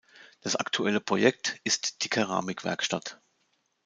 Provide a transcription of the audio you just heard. Das aktuelle Projekt ist die Keramikwerkstatt.